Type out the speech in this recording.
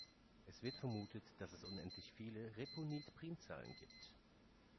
Es wird vermutet, dass es unendlich viele Repunit-Primzahlen gibt.